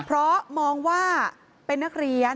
เพราะมองว่าเป็นนักเรียน